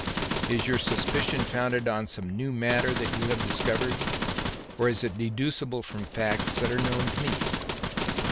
"Is your suspicion founded on some new matter that you have discovered, or is it deducible from facts that are known to me?"